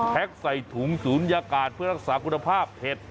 ใส่ถุงศูนยากาศเพื่อรักษาคุณภาพเห็ด